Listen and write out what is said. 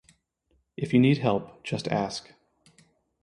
If you need help, just ask.